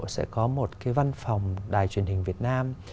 sẽ có một cái văn phòng đài truyền hình việt nam